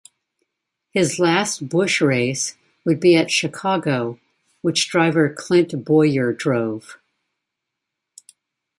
His last Busch race would be at Chicago, which driver Clint Bowyer drove.